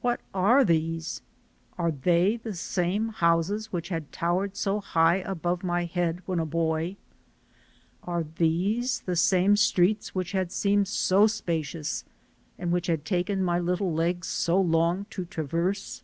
What are these? Are they the same houses which had towered so high above my head when a boy? Are these the same streets which had seemed so spacious and which it had taken my little legs so long to traverse?